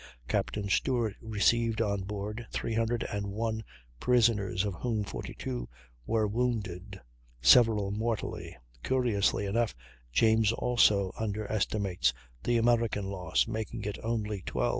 Captain Stewart received on board 301 prisoners, of whom 42 were wounded, several mortally. Curiously enough James also underestimates the American loss, making it only 12.